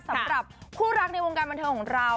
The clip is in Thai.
สำหรับคู่รักในวงการบันเทิงของเรา